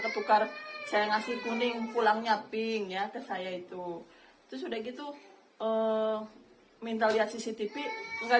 ketukar saya ngasih kuning pulangnya pink ya ke saya itu sudah gitu minta lihat cctv enggak